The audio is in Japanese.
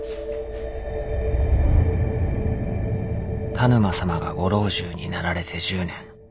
田沼様がご老中になられて１０年。